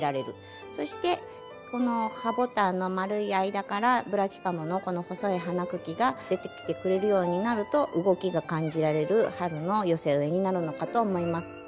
そしてこのハボタンの丸い間からブラキカムのこの細い花茎が出てきてくれるようになると動きが感じられる春の寄せ植えになるのかと思います。